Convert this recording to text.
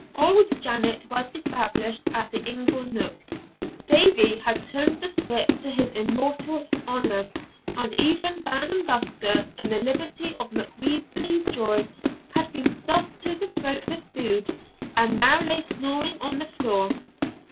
Auld Janet was established at the ingle nook; Davie had turned the spit to his immortal honour; and even Ban and Buscar, in the liberality of Macwheeble's joy, had been stuffed to the throat with food, and now lay snoring on the floor.